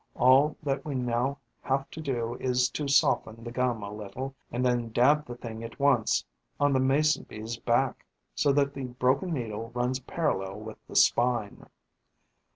All that we now have to do is to soften the gum a little and then dab the thing at once on the Mason bee's back, so that the broken needle runs parallel with the spine.